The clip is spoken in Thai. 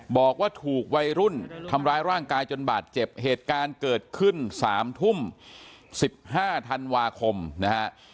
บอกว่าถูกวัยรุ่นทำร้ายร่างกายจนบาดเจ็บเหตุการณ์เกิดขึ้น๓ทุ่ม๑๕ธันวาคมนะฮะ